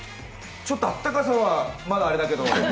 ちょっとあったかさは、まだあれだけど。